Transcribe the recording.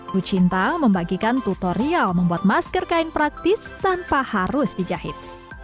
bu cinta membagikan tutorial membuat masker kain praktis tanpa harus dijahit